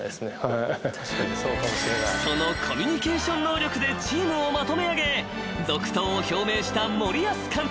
［そのコミュニケーション能力でチームをまとめあげ続投を表明した森保監督］